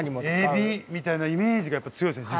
エビみたいなイメージがやっぱ強いですね